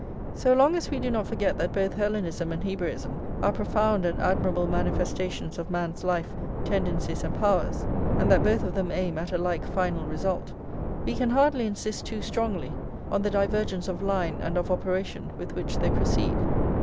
So long as we do not forget that both Hellenism and Hebraism are profound and admirable manifestations of man's life, tendencies, and powers, and that both of them aim at a like final result, we can hardly insist too strongly on the divergence of line and of operation with which they proceed.